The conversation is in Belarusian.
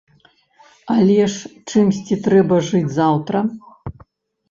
Але ж чымсьці трэба жыць заўтра!